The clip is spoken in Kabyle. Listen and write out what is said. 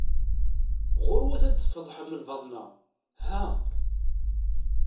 Ɣuṛwet ad tfeḍḥem lbaḍna! ha!